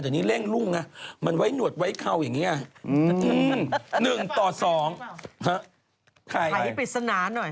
แต่นี้เล่งรุ้งนะมันไว้หนวดไว้เข้าอย่างนี้อ่ะ